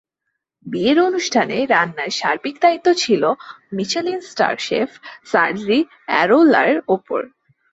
বিয়ের অনুষ্ঠানে রান্নার সার্বিক দায়িত্ব ছিল মিচেলিন-স্টার শেফ সার্জি অ্যারোলার ওপর।